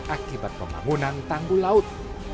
akibat pembangunan tanggul laut